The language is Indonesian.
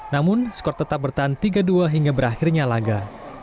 namun skor tetap bertahan tiga dua hingga berakhirnya laga